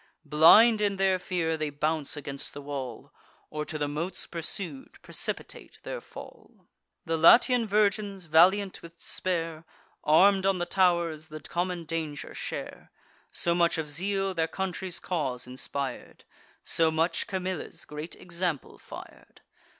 Blind in their fear, they bounce against the wall, Or, to the moats pursued, precipitate their fall. The Latian virgins, valiant with despair, Arm'd on the tow'rs, the common danger share: So much of zeal their country's cause inspir'd; So much Camilla's great example fir'd.